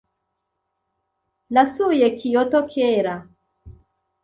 Nasuye Kyoto kera .